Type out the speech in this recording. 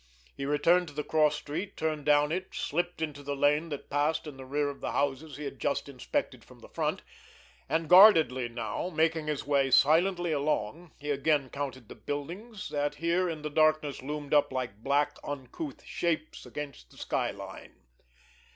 He returned to the cross street, turned down it, slipped into the lane that passed in the rear of the houses he had just inspected from the front, and, guardedly now, making his way silently along, he again counted the buildings that here in the darkness loomed up like black, uncouth shapes against the sky line.